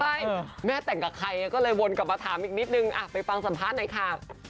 ใช่แม่แต่งกับใครก็เลยวนกลับมาถามอีกนิดนึงไปฟังสัมภาษณ์หน่อยค่ะ